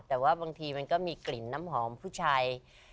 แต่ว่าบางทีมันก็มีกลิ่นน้ำหอมผู้ชาย